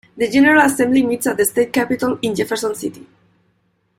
The General Assembly meets at the State Capitol in Jefferson City.